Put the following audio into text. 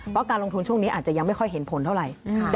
เพราะการลงทุนช่วงนี้อาจจะยังไม่ค่อยเห็นผลเท่าไหร่